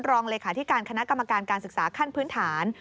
รองเลขาธิการคณะกรรมการการศึกษาขั้นพื้นฐาน